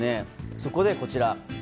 そこで、こちら。